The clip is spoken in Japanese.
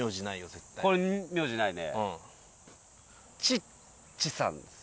ちっちさんです。